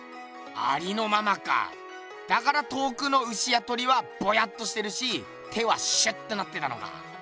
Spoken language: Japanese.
ありのままかだから遠くの牛や鳥はぼやっとしてるし手はシュッとなってたのか。